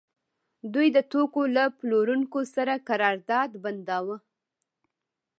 دوی د توکو له پلورونکو سره قرارداد بنداوه